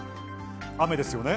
雨ですよね？